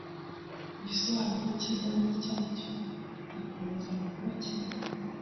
Igisobanuro cyibanze cyacyo gikomeza kuba kimwe.